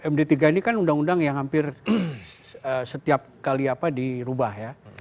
masa dulu itu langsung disudahkan itu mudah